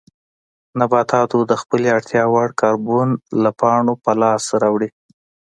نباتاتو د خپلې اړتیا وړ کاربن له پاڼو په لاس راوړي.